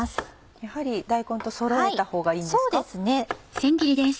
やはり大根とそろえたほうがいいんですか？